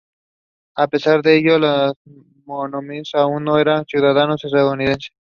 A pesar de ello los menominee aún no eran ciudadanos estadounidenses.